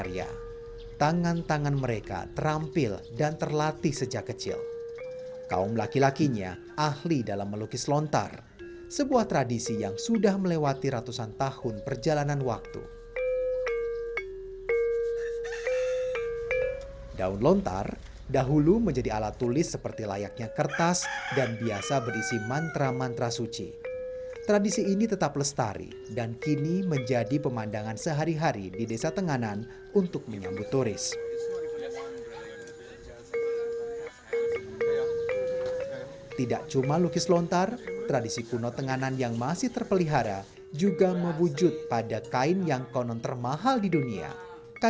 jadi kalau kami ada kasus lebih banyak berat di hukum adat kami serahkan ke adat